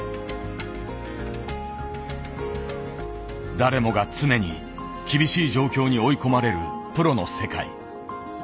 誰もが常に厳しい状況に追い込まれるプロの世界。